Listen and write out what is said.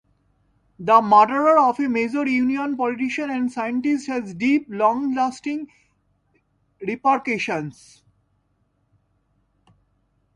The murder of a major Union politician and scientist has deep, long-lasting repercussions.